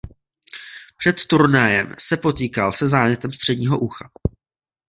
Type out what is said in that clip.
Před turnajem se potýkal se zánětem středního ucha.